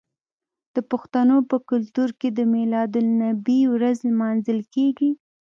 د پښتنو په کلتور کې د میلاد النبي ورځ لمانځل کیږي.